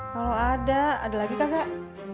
kalau ada ada lagi kak